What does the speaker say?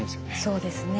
そうですね。